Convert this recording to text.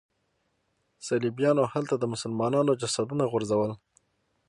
صلیبیانو هلته د مسلمانانو جسدونه غورځول.